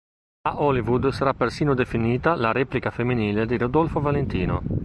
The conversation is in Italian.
A Hollywood sarà persino definita la replica femminile di Rodolfo Valentino.